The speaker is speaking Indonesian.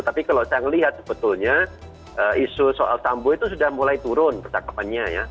tapi kalau saya melihat sebetulnya isu soal sambo itu sudah mulai turun percakapannya ya